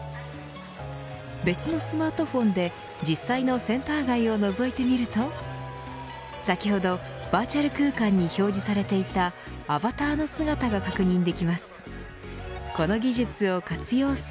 別のスマートフォンで、実際のセンター街をのぞいてみると先ほどバーチャル空間に表示されていたアバターの姿が確認できます。